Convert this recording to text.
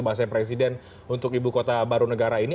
bahasa presiden untuk ibu kota baru negara ini